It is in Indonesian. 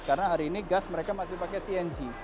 karena hari ini gas mereka masih pakai cng